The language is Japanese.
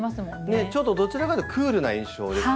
どちらかというとクールな印象ですね。